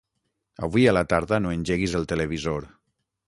Avui a la tarda no engeguis el televisor.